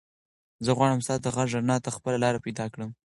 زه غواړم ستا د غږ رڼا ته خپله لاره پیدا کړم.